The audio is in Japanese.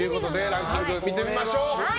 ランキング見てみましょう。